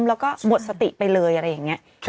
แล้วก็หมดสติไปเลยอะไรอย่างนี้